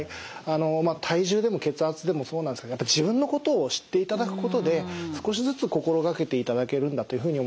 体重でも血圧でもそうなんですけどやっぱり自分のことを知っていただくことで少しずつ心がけていただけるんだというふうに思います。